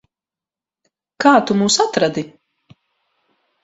Kā tu mūs atradi?